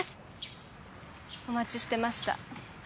お待ちしてました。